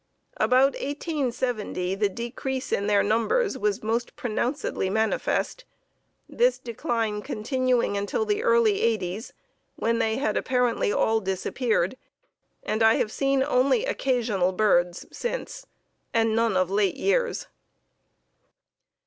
About 1870 the decrease in their numbers was most pronouncedly manifest, this decline continuing until the early eighties, when they had apparently all disappeared, and I have seen only occasional birds since, and none of late years."